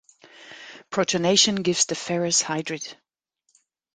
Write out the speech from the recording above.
Protonation gives the ferrous hydride.